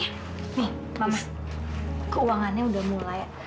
nih mama keuangannya udah mulai ya